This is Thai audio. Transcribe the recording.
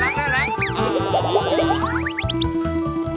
น่ารัก